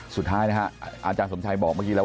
สุดท้ายนะฮะอาจารย์สมชัยบอกเมื่อกี้แล้ว